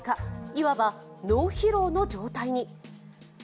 いわば脳疲労の状態に。